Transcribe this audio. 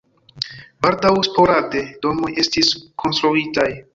Baldaŭ sporade domoj estis konstruitaj.